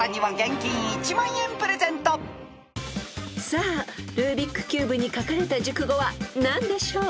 ［さあルービックキューブに書かれた熟語は何でしょう？］